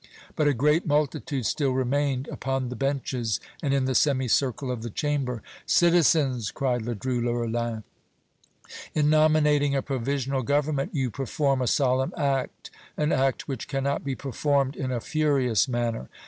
But a great multitude still remained upon the benches and in the semi circle of the Chamber. "Citizens!" cried Ledru Rollin, "in nominating a provisional government you perform a solemn act an act which cannot be performed in a furious manner.